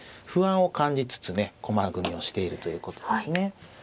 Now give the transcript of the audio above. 不安を感じつつね駒組みをしているということですね。